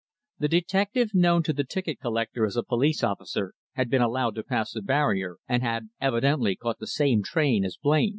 The detective, known to the ticket collector as a police officer, had been allowed to pass the barrier, and had evidently caught the same train as Blain.